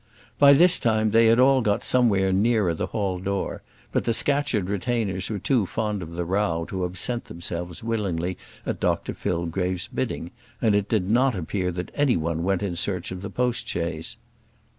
By this time they had all got somewhere nearer the hall door; but the Scatcherd retainers were too fond of the row to absent themselves willingly at Dr Fillgrave's bidding, and it did not appear that any one went in search of the post chaise.